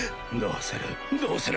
どうする？